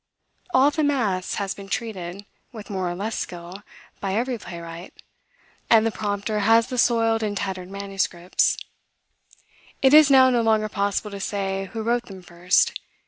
All the mass has been treated, with more or less skill, by every playwright, and the prompter has the soiled and tattered manuscripts. It is now no longer possible to say who wrote them first.